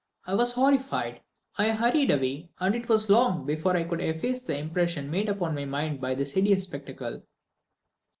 I was horrified. I hurried away, and it was long before I could efface the impression made upon my mind by this hideous spectacle.